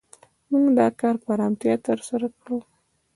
موږ دا کار په آرامتیا تر سره کړ.